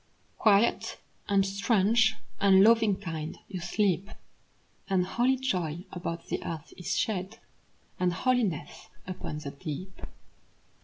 Quiet, and strange, and loving kind, you sleep. And holy joy about the earth is shed; And holiness upon the deep.